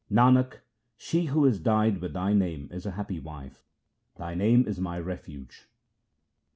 Nanak, she who is dyed with Thy name is a happy wife ; Thy name is my refuge.